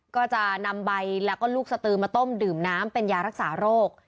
ก็จะนำใบแล้วก็ลูกสตือมาต้มดื่มน้ำเป็นยารักษาโรค